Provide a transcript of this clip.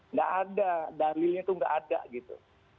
nggak ada dalilnya itu nggak ada gitu